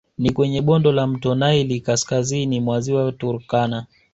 Ni kwenye bonde la mto Nile kaskazini mwa ziwa Turkana